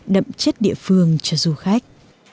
đậm chất địa phương cho du khách